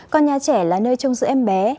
còn nhà trẻ là nơi trông giữ em bé